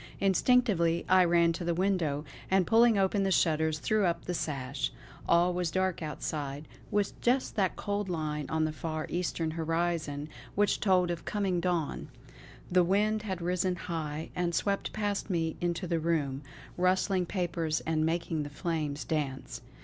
Instinctively I ran to the window, and pulling open the shutters, threw up the sash. All was dark outside, with just that cold line on the far Eastern horizon which told of coming dawn. The wind had risen high, and swept past me into the room, rustling papers and making the flames dance.